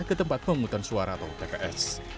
ke tempat pemungutan suara atau tps